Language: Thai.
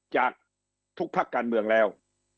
จากทุกภาคการเมืองแล้ว